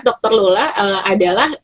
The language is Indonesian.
dokter lola adalah